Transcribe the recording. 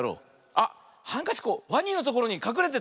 あっハンカチワニのところにかくれてた。